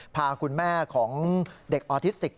พาคุณแม่ของเด็กออทิสติก